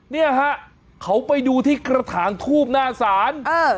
เนี่ยฮะเขาไปดูที่กระถางทูบหน้าศาล